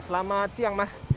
selamat siang mas